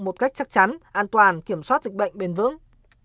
một cách chắc chắn an toàn kiểm soát dịch bệnh bền vững